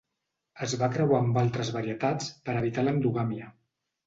Es va creuar amb altres varietats per a evitar l'endogàmia.